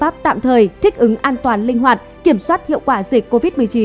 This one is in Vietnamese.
biện pháp tạm thời thích ứng an toàn linh hoạt kiểm soát hiệu quả dịch covid một mươi chín